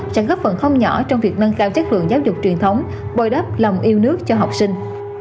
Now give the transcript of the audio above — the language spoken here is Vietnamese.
sẽ góp phần không nhỏ trong việc nâng cao chất lượng giáo dục truyền thống bồi đắp lòng yêu nước cho học sinh